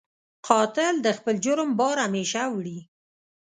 قاتل د خپل جرم بار همېشه وړي